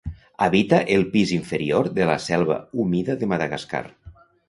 Habita el pis inferior de la selva humida de Madagascar.